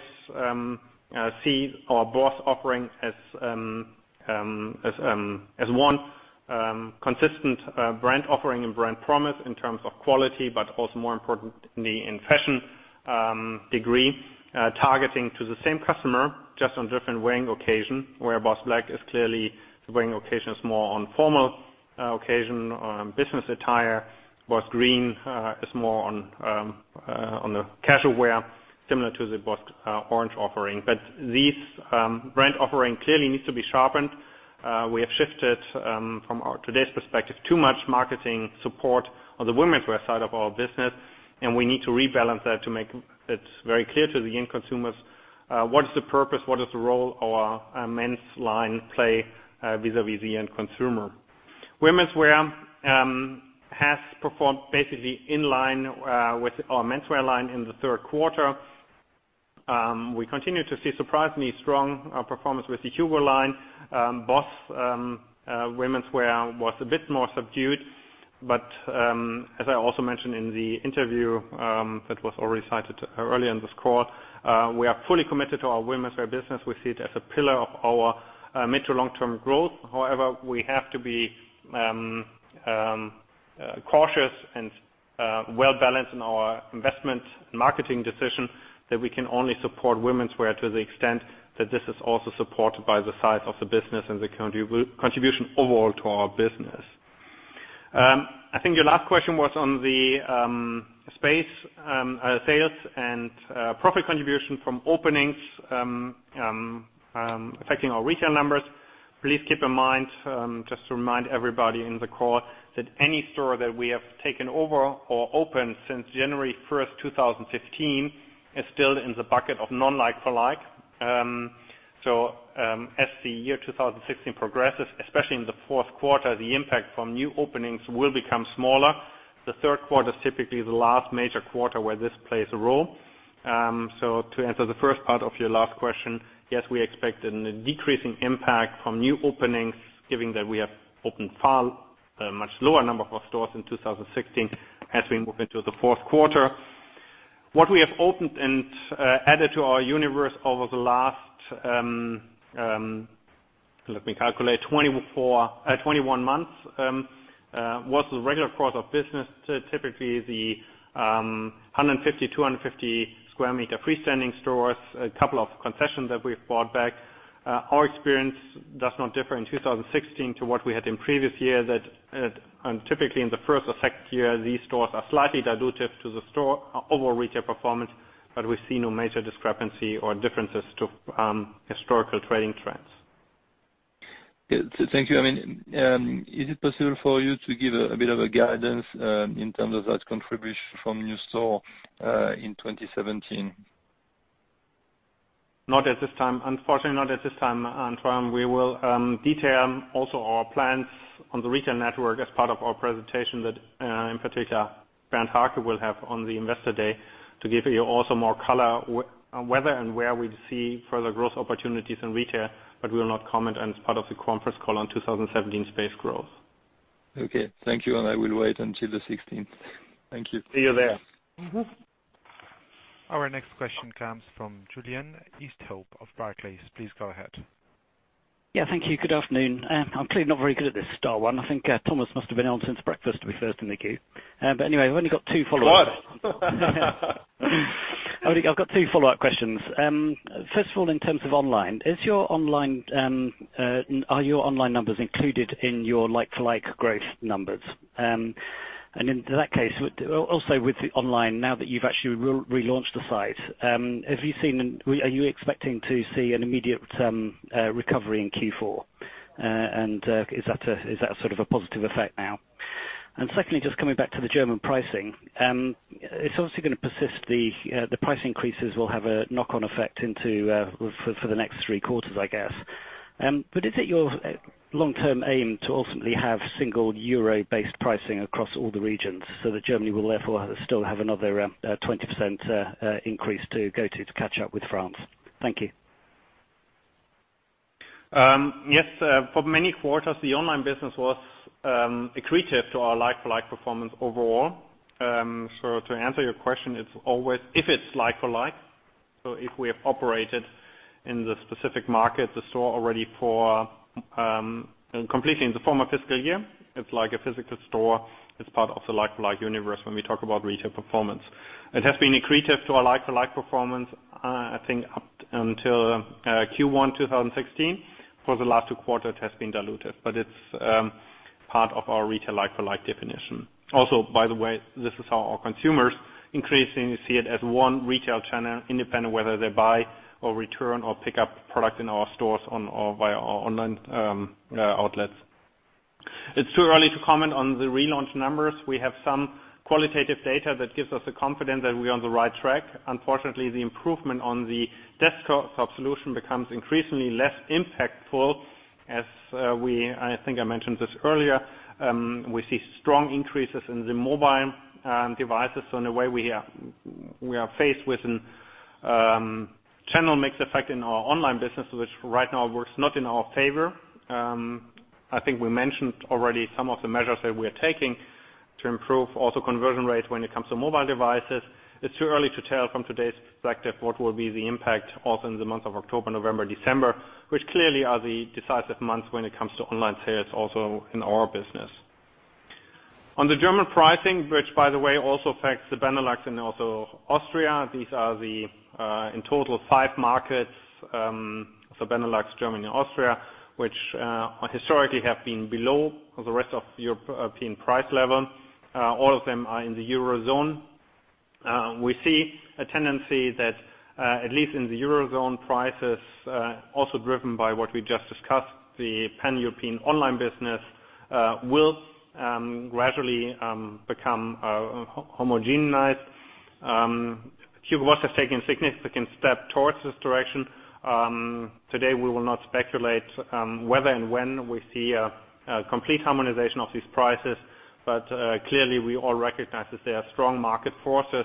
see our BOSS offering as one consistent brand offering and brand promise in terms of quality, but also more importantly, in fashion degree, targeting to the same customer, just on different wearing occasion. Where BOSS Black is clearly the wearing occasion is more on formal occasion or business attire. BOSS Green is more on the casual wear, similar to the BOSS Orange offering. This brand offering clearly needs to be sharpened. We have shifted from today's perspective, too much marketing support on the BOSS Womenswear side of our business, and we need to rebalance that to make it very clear to the end consumers what is the purpose, what is the role our men's line play vis-a-vis the end consumer. BOSS Womenswear has performed basically in line with our menswear line in the third quarter. We continue to see surprisingly strong performance with the HUGO line. BOSS Womenswear was a bit more subdued, as I also mentioned in the interview that was already cited earlier in this call, we are fully committed to our BOSS Womenswear business. We see it as a pillar of our mid to long-term growth. We have to be cautious and well balanced in our investment and marketing decision that we can only support BOSS Womenswear to the extent that this is also supported by the size of the business and the contribution overall to our business. I think your last question was on the space sales and profit contribution from openings affecting our retail numbers. Please keep in mind, just to remind everybody in the call, that any store that we have taken over or opened since January 1st, 2015, is still in the bucket of non like-for-like. As the year 2016 progresses, especially in the fourth quarter, the impact from new openings will become smaller. The third quarter is typically the last major quarter where this plays a role. To answer the first part of your last question, yes, we expect a decreasing impact from new openings given that we have opened a much lower number of stores in 2016 as we move into the fourth quarter. What we have opened and added to our universe over the last, let me calculate, 21 months, was the regular course of business, typically the 150, 250 square meter freestanding stores, a couple of concessions that we've bought back. Our experience does not differ in 2016 to what we had in previous years and typically in the first or second year, these stores are slightly dilutive to the store overall retail performance, but we see no major discrepancy or differences to historical trading trends. Thank you. Is it possible for you to give a bit of a guidance in terms of that contribution from new store in 2017? Not at this time. Unfortunately, not at this time, Antoine. We will detail also our plans on the retail network as part of our presentation that in particular, Bernd Hake will have on the Capital Markets Day to give you also more color on whether and where we see further growth opportunities in retail, we will not comment as part of the conference call on 2017 space growth. Okay. Thank you. I will wait until the 16th. Thank you. See you there. Our next question comes from Julian Easthope of Barclays. Please go ahead. Yeah, thank you. Good afternoon. I'm clearly not very good at this dial one. I think Thomas must have been on since breakfast to be first in the queue. Anyway, I've only got two follow-ups. What? I've got two follow-up questions. First of all, in terms of online, are your online numbers included in your like-for-like growth numbers? In that case, also with the online, now that you've actually relaunched the site, are you expecting to see an immediate recovery in Q4? Is that a positive effect now? Secondly, just coming back to the German pricing. It's obviously going to persist. The price increases will have a knock-on effect for the next three quarters, I guess. Is it your long-term aim to ultimately have single euro-based pricing across all the regions so that Germany will therefore still have another 20% increase to go to catch up with France? Thank you. Yes. For many quarters, the online business was accretive to our like-for-like performance overall. To answer your question, if it's like-for-like, if we have operated in the specific market, the store already for completely in the former fiscal year, it's like a physical store. It's part of the like-for-like universe when we talk about retail performance. It has been accretive to our like-for-like performance, I think up until Q1 2016. For the last two quarters, it has been dilutive, it's part of our retail like-for-like definition. Also, by the way, this is how our consumers increasingly see it as one retail channel, independent whether they buy or return or pick up product in our stores or via our online outlets. It's too early to comment on the relaunch numbers. We have some qualitative data that gives us the confidence that we're on the right track. Unfortunately, the improvement on the desktop solution becomes increasingly less impactful as we, I think I mentioned this earlier, we see strong increases in the mobile devices. In a way we are faced with a channel mix effect in our online business, which right now works not in our favor. I think we mentioned already some of the measures that we are taking to improve also conversion rate when it comes to mobile devices. It's too early to tell from today's perspective what will be the impact also in the month of October, November, December, which clearly are the decisive months when it comes to online sales also in our business. On the German pricing, which by the way also affects the Benelux and also Austria. These are the, in total five markets. Benelux, Germany, Austria, which historically have been below the rest of European price level. All of them are in the Eurozone. We see a tendency that, at least in the Eurozone prices, also driven by what we just discussed, the Pan-European online business, will gradually become homogenized. Hugo Boss has taken significant step towards this direction. Today, we will not speculate whether and when we see a complete harmonization of these prices. Clearly we all recognize that there are strong market forces,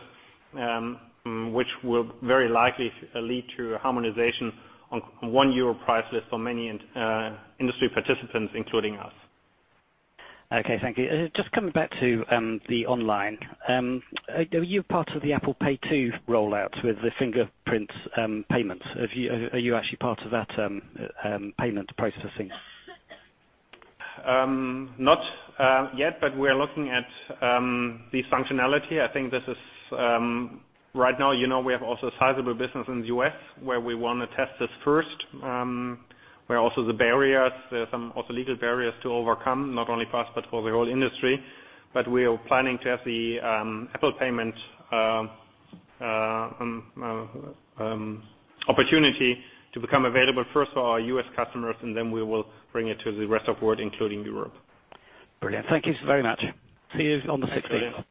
which will very likely lead to a harmonization on one euro price list for many industry participants, including us. Okay. Thank you. Just coming back to the online. Are you part of the Apple Pay 2 rollout with the fingerprint payments? Are you actually part of that payment processing? Not yet, but we're looking at the functionality. I think this is, right now, we have also a sizable business in the U.S. where we want to test this first, where also the barriers, there are some also legal barriers to overcome, not only for us but for the whole industry. We are planning to have the Apple payment opportunity to become available first for our U.S. customers, and then we will bring it to the rest of world, including Europe. Brilliant. Thank you so very much. See you on the 16th.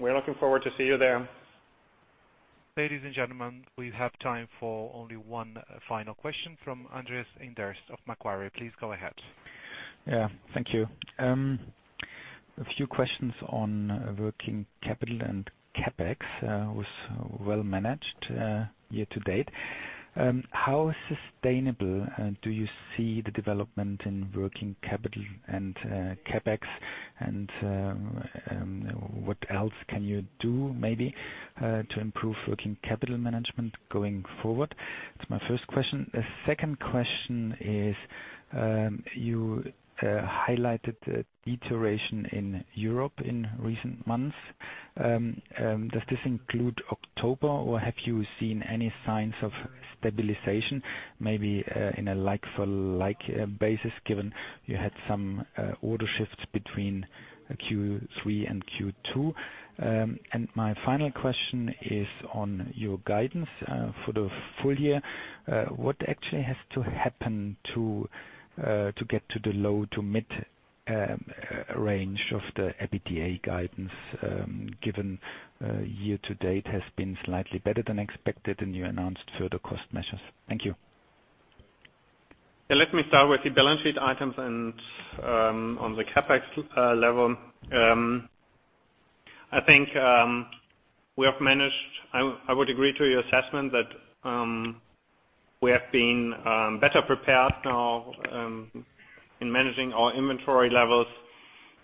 We're looking forward to see you there. Ladies and gentlemen, we have time for only one final question from Andreas Inderst of Macquarie. Please go ahead. Yeah. Thank you. A few questions on working capital and CapEx was well managed year-to-date. How sustainable do you see the development in working capital and CapEx and what else can you do maybe to improve working capital management going forward? That's my first question. The second question is, you highlighted the deterioration in Europe in recent months. Does this include October or have you seen any signs of stabilization maybe in a like-for-like basis, given you had some order shifts between Q3 and Q2? And my final question is on your guidance for the full year. What actually has to happen to get to the low-to-mid range of the EBITDA guidance, given year-to-date has been slightly better than expected and you announced further cost measures? Thank you. Let me start with the balance sheet items and on the CapEx level. I think we have managed, I would agree to your assessment that we have been better prepared now in managing our inventory levels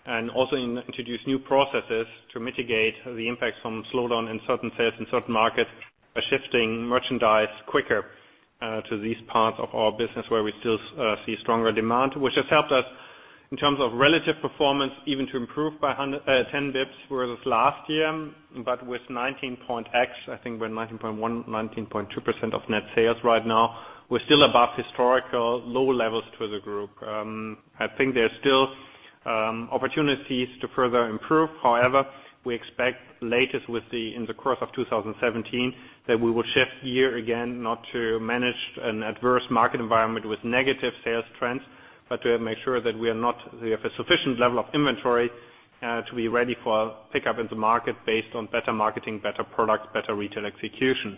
and also introduce new processes to mitigate the impacts from slowdown in certain sales in certain markets by shifting merchandise quicker to these parts of our business where we still see stronger demand. Which has helped us in terms of relative performance even to improve by 10 basis points versus last year. But with 19.X, I think we're at 19.1, 19.2% of net sales right now. We're still above historical low levels to the group. I think there's still opportunities to further improve. However, we expect latest in the course of 2017 that we will shift year again, not to manage an adverse market environment with negative sales trends, but to make sure that we have a sufficient level of inventory, to be ready for pickup in the market based on better marketing, better product, better retail execution.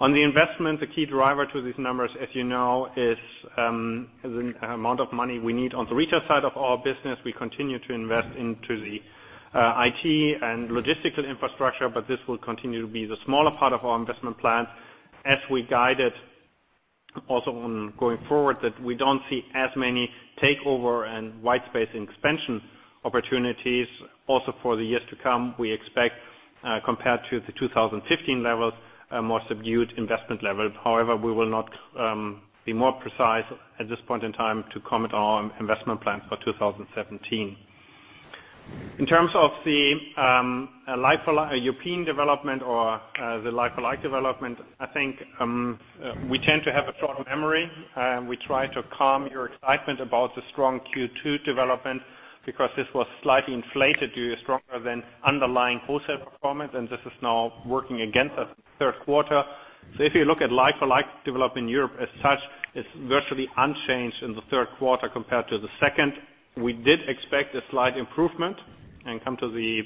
On the investment, the key driver to these numbers, as you know, is the amount of money we need on the retail side of our business. We continue to invest into the IT and logistical infrastructure, but this will continue to be the smaller part of our investment plan as we guided also on going forward that we don't see as many takeover and white space expansion opportunities also for the years to come. We expect, compared to the 2015 levels, a more subdued investment level. However, we will not be more precise at this point in time to comment on investment plans for 2017. In terms of the European development or the like-for-like development, I think we tend to have a short memory. We try to calm your excitement about the strong Q2 development because this was slightly inflated due to stronger than underlying wholesale performance, and this is now working against us third quarter. If you look at like-for-like development in Europe as such, it's virtually unchanged in the third quarter compared to the second. We did expect a slight improvement and come to the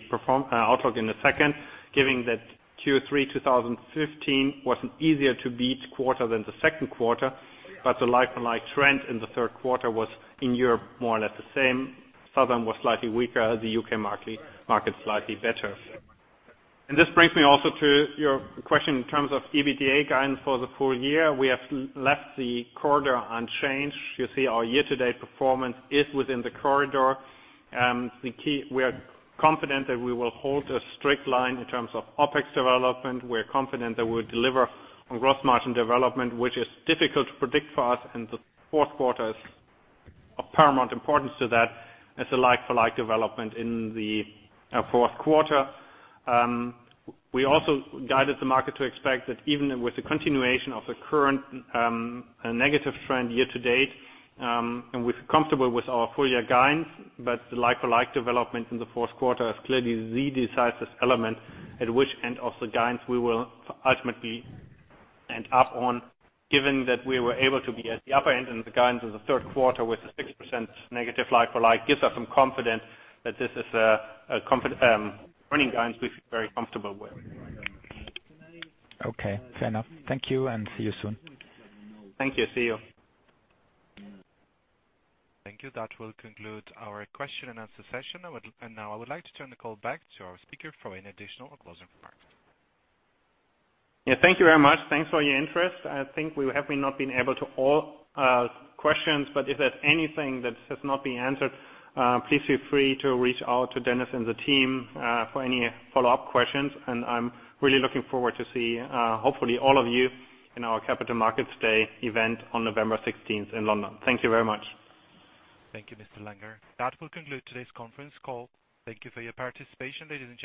outlook in a second, giving that Q3 2015 was an easier to beat quarter than the second quarter. But the like-for-like trend in the third quarter was, in Europe, more or less the same. Southern was slightly weaker, the U.K. market slightly better. This brings me also to your question in terms of EBITDA guidance for the full year. We have left the corridor unchanged. Our year-to-date performance is within the corridor. We are confident that we will hold a strict line in terms of OpEx development. We are confident that we'll deliver on gross margin development, which is difficult to predict for us, and the fourth quarter is of paramount importance to that as a like-for-like development in the fourth quarter. We also guided the market to expect that even with the continuation of the current negative trend year to date, and we're comfortable with our full year guidance, but the like-for-like development in the fourth quarter is clearly the decisive element at which end of the guidance we will ultimately end up on. Given that we were able to be at the upper end in the guidance of the third quarter with a 6% negative like-for-like, gives us some confidence that this is a running guidance we feel very comfortable with. Okay, fair enough. Thank you and see you soon. Thank you. See you. Thank you. That will conclude our question and answer session. Now I would like to turn the call back to our speaker for an additional closing remarks. Thank you very much. Thanks for your interest. I think we have not been able to all questions, but if there's anything that has not been answered, please feel free to reach out to Dennis and the team, for any follow-up questions. I'm really looking forward to see, hopefully all of you in our Capital Markets Day event on November 16th in London. Thank you very much. Thank you, Mr. Langer. That will conclude today's conference call. Thank you for your participation, ladies and gentlemen.